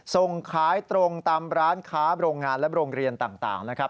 ส่งขายตรงตามร้านค้าโรงงานและโรงเรียนต่างนะครับ